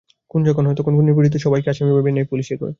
খুন যখন হয়, তখন খুনীর পরিচিত সবাইকেই আসামী ভেবে নিয়ে পুলিশ এগোয়।